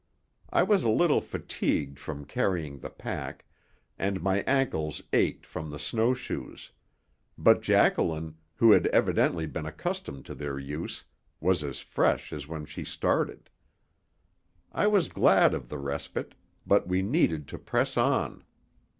I was a little fatigued from carrying the pack, and my ankles ached from the snow shoes; but Jacqueline, who had evidently been accustomed to their use, was as fresh as when she started. I was glad of the respite; but we needed to press on.